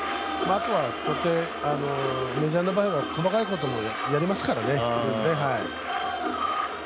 あとはこうやってメジャーの場合は細かいこともやりますからね。